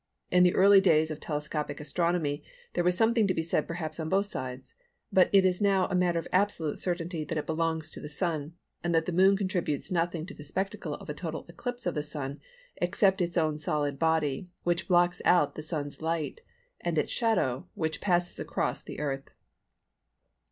In the early days of telescopic astronomy there was something to be said perhaps on both sides, but it is now a matter of absolute certainty that it belongs to the Sun, and that the Moon contributes nothing to the spectacle of a total eclipse of the Sun, except its own solid body, which blocks out the Sun's light, and its shadow, which passes across the Earth.